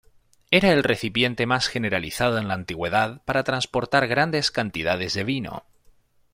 Era el recipiente más generalizado en la antigüedad para transportar grandes cantidades de vino.